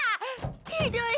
ひどい！